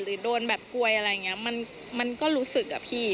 โดนแบบกลวยอะไรอย่างนี้มันก็รู้สึกอะพี่